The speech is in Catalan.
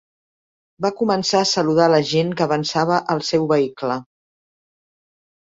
Va començar a saludar a la gent que avançava el seu vehicle.